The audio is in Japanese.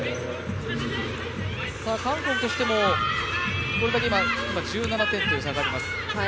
韓国としてもこれだけ１７点という差があります。